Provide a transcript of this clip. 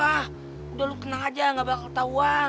ah udah lo kenang aja ga bakal ketahuan